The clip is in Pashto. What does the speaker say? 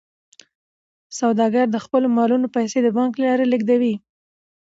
سوداګر د خپلو مالونو پیسې د بانک له لارې لیږدوي.